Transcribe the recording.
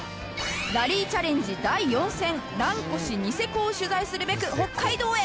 ラリーチャレンジ第４戦蘭越・ニセコを取材するべく北海道へ